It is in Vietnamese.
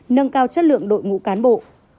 nâng cao chất lượng đội ngũ cán bộ